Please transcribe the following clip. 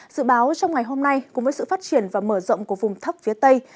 dự báo trong ngày hôm nay cùng với sự phát triển và mở rộng của vùng thấp phía tây